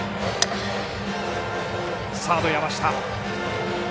サード山下。